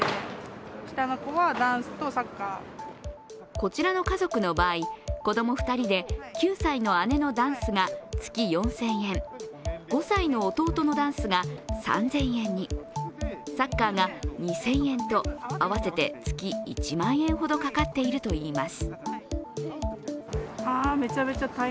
こちらの家族の場合、子供２人で９歳の姉のダンスが月４０００円５歳の弟のダンスが３０００円に、サッカーが２０００円と、合わせて月１万円ほどかかっているといいます。